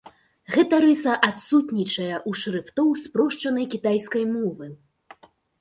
Гэтай рыса адсутнічае ў шрыфтоў спрошчанай кітайскай мовы.